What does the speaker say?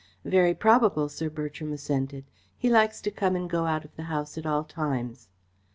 "Very probable," Sir Bertram assented. "He likes to come and go out of the house at all times."